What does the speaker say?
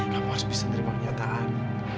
kamu harus bisa terima pernyataan